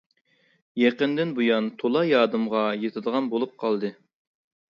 يېقىندىن بۇيان تولا يادىمغا يېتىدىغان بولۇپ قالدى.